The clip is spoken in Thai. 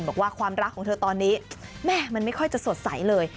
บอกว่าความรักของเธอตอนนี้แม่มันไม่ค่อยจะสดใสเลย